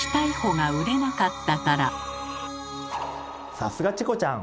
さすがチコちゃん！